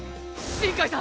新開さん！